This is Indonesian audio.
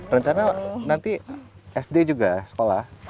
rencana nanti sd juga sekolah